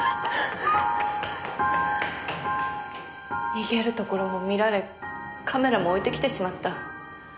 逃げるところも見られカメラも置いてきてしまった。